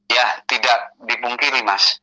ya tidak dipungkiri mas